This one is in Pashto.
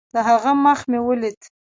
د هغه مخ مې وليد.